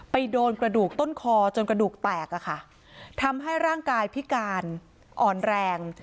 โดนกระดูกต้นคอจนกระดูกแตกอะค่ะทำให้ร่างกายพิการอ่อนแรง